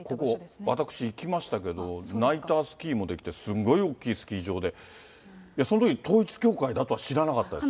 ここ、私行きましたけど、ナイタースキーもできて、すごい大きいスキー場で、そのとき、統一教会だとは知らなかったです。